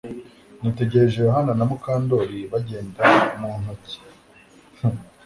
Nitegereje Yohana na Mukandoli bagenda mu ntoki